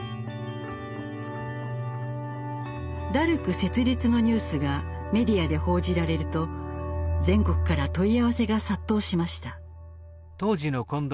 ダルク設立のニュースがメディアで報じられると全国から問い合わせが殺到しました。